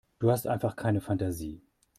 Du hast einfach keine Fantasie.